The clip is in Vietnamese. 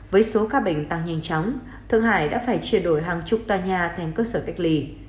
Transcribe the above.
với số ca bệnh tăng nhanh chóng thượng hải đã phải triển đổi hàng chục toa nhà thêm cơ sở cách ly